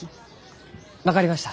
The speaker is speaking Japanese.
分かりました。